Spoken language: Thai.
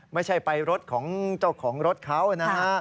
ไม่ใช่ไปรถของเจ้าของรถเขานะฮะ